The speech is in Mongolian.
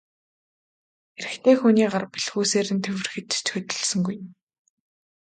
Эрэгтэй хүний гар бэлхүүсээр нь тэврэхэд ч хөдөлсөнгүй.